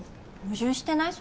矛盾してない？